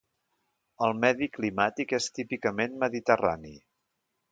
El medi climàtic és típicament mediterrani.